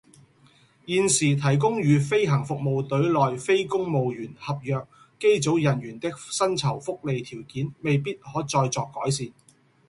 現時提供予飛行服務隊內非公務員合約機組人員的薪酬福利條件，未必可再作改善